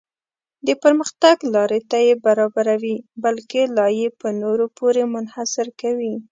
د پرمختګ لارې ته یې برابروي بلکې لا یې په نورو پورې منحصر کوي.